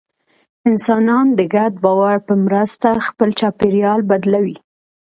انسانان د ګډ باور په مرسته خپل چاپېریال بدلوي.